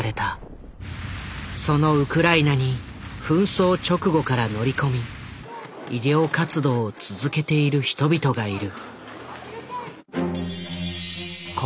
そのウクライナに紛争直後から乗り込み医療活動を続けている人々がいる。